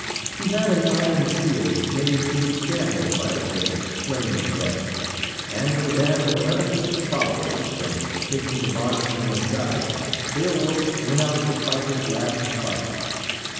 He had an iron shield made to withstand the Firedrake's flaming breath, and, with a band of eleven picked followers, and taking the bondsman as guide, Beowulf went out to fight his last fight.